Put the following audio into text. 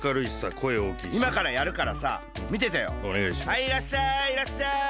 はいいらっしゃいいらっしゃい！